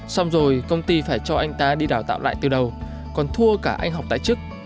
xong rồi công ty phải cho anh ta đi đào tạo lại từ đầu còn thua cả anh học tại chức